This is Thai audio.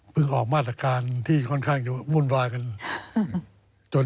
ออกมาตรการที่ค่อนข้างจะวุ่นวายกันจน